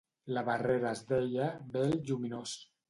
La barrera es deia "Vel Lluminós".